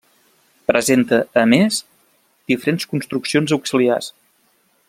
Presenta, a més, diferents construccions auxiliars.